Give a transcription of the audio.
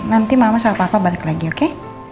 nanti mama sama papa balik lagi oke